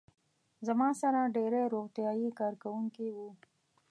زما سره ډېری روغتیايي کارکوونکي وو.